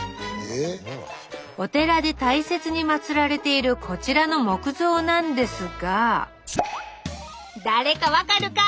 お寺で大切に祭られているこちらの木像なんですが誰か分かるか？